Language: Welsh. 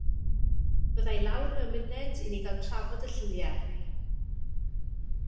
Fydda i lawr mewn munud i ni gael trafod y lluniau.